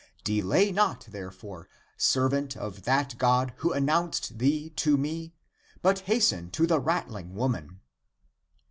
Delay not, therefore, servant of that God who announced thee to me, but hasten to the rattling woman."